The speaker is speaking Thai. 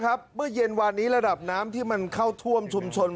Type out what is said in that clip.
เมื่อเย็นวานนี้ระดับน้ำที่มันเข้าท่วมชุมชน